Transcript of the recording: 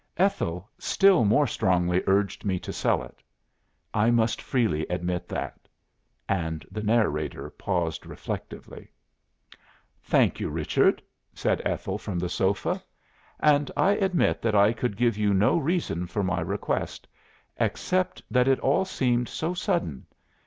Ethel still more strongly urged me to sell it. I must freely admit that." And the narrator paused reflectively. "Thank you, Richard," said Ethel from the sofa. "And I admit that I could give you no reason for my request, except that it all seemed so sudden.